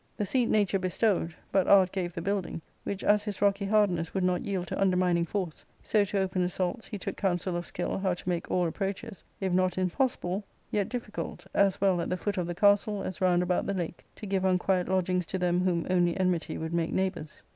The seat nature bestowed, but art gave the building, which as his rocky hardness would not yield to undermining force, so to open assaults he took counsel of skill how to make all approaches, if not impossible, yet diffi ^ cult, as well at the foot of the castle as round about the lake, to give unquiet lodgings to them whom only enmity would make neighbours.